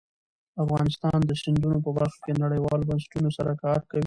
افغانستان د سیندونه په برخه کې نړیوالو بنسټونو سره کار کوي.